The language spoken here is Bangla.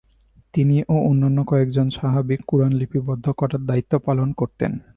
তিনি ও অন্য কয়েকজন সাহাবি কুরআন লিবিবদ্ধ করার দায়িত্বপালন করতেন।